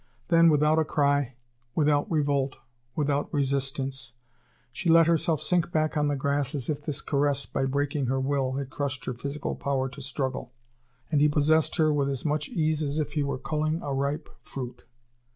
Then, without a cry, without revolt, without resistance, she let herself sink back on the grass, as if this caress, by breaking her will, had crushed her physical power to struggle. And he possessed her with as much ease as if he were culling a ripe fruit.